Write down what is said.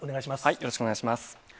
よろしくお願いします。